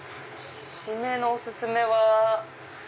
締めのお薦めは？